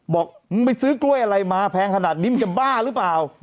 บอกมึงไปซื้อกล้วยอะไรมาแพงขนาดนี้มึงจะบ้าหรือเปล่า